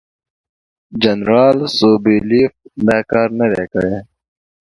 جنرال سوبولیف دا کار نه دی کړی.